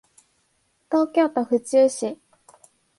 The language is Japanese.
東京都府中市